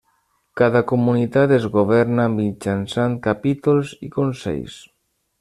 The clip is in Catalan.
Cada comunitat es governa mitjançant capítols i consells.